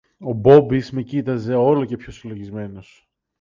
Ο Μπόμπης με κοίταζε όλο και πιο συλλογισμένος.